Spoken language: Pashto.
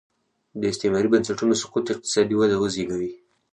د استعماري بنسټونو سقوط اقتصادي وده وزېږوي.